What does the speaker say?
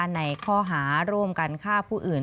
ในข้อหาร่วมกันฆ่าผู้อื่น